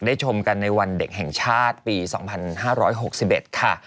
ชมกันในวันเด็กแห่งชาติปี๒๕๖๑ค่ะ